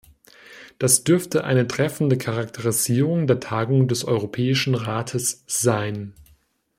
Das dürfte eine treffende Charakterisierung der Tagung des Europäischen Rates sein.